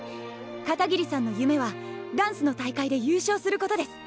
片桐さんの夢はダンスの大会で優勝することです。